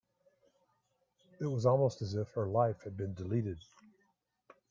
It was almost as if her life had been deleted.